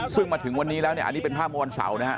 ซึ่งมาถึงวันนี้แล้วอันนี้เป็นภาพมวลเสาร์